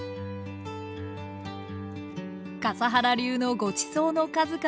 笠原流のごちそうの数々。